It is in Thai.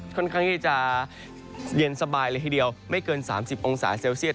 ค่อนข้างที่จะเย็นสบายเลยทีเดียวไม่เกิน๓๐องศาเซลเซียต